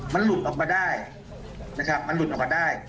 มันหลุดออกมาได้